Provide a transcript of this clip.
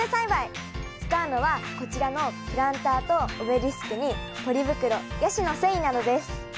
使うのはこちらのプランターとオベリスクにポリ袋ヤシの繊維などです。